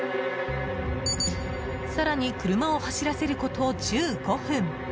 更に車を走らせること１５分。